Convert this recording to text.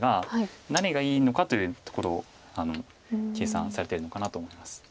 何がいいのかというところ計算されてるのかなと思います。